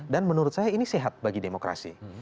dan menurut saya ini sehat bagi demokrasi